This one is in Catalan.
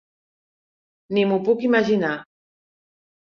Ni m'ho puc imaginar.